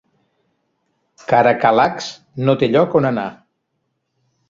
Karakalaks no té enlloc on anar